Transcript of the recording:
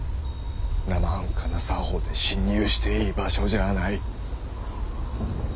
生半可な作法で侵入していい場所じゃあないッ。